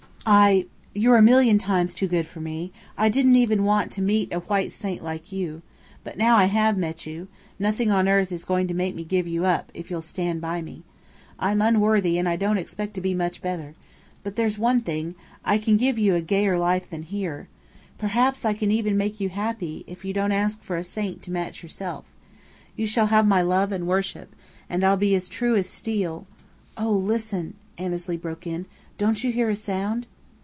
I you're a million times too good for me. I didn't even want to meet a white saint like you. But now I have met you, nothing on earth is going to make me give you up, if you'll stand by me. I'm unworthy, and I don't expect to be much better. But there's one thing: I can give you a gayer life than here. Perhaps I can even make you happy, if you don't ask for a saint to match yourself. You shall have my love and worship, and I'll be true as steel " "Oh, listen!" Annesley broke in. "Don't you hear a sound?"